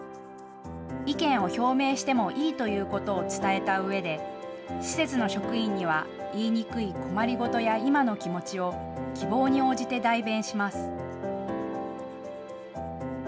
意見を表明してもいいということを伝えたうえで、施設の職員には言いにくい困りごとや今の気持ちを希望に応じて代弁します。